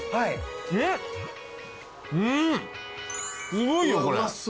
すごいよこれ。